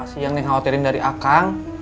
apa sih yang nenek khawatirin dari akang